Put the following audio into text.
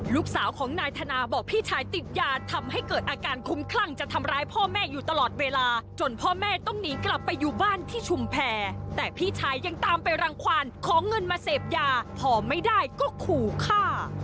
ลูกสาวของนายธนาบอกพี่ชายติดยาทำให้เกิดอาการคุ้มคลั่งจะทำร้ายพ่อแม่อยู่ตลอดเวลาจนพ่อแม่ต้องหนีกลับไปอยู่บ้านที่ชุมแพรแต่พี่ชายยังตามไปรังความขอเงินมาเสพยาพอไม่ได้ก็ขู่ฆ่า